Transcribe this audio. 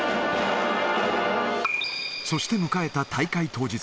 そして迎えた大会当日。